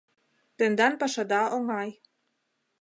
— Тендан пашада оҥай.